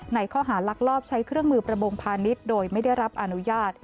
ในข้อหารักลอบใช้เครื่องมือประบงพาณิชย์โดยไม่ได้รับอนุญาต